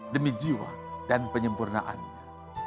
demi jiwa dan penyempurnaannya